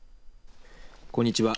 こんにちは。